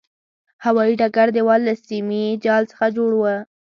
هوایي ډګر دېوال له سیمي جال څخه جوړ و.